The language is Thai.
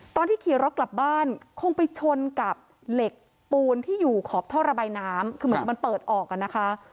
ตอนที่ขี่รถกลับบ้านคงไปชนกับเหล็กปูนที่อยู่ขอบท่อระบายน้ำคือเหมือนมันเปิดออกอ่ะนะคะ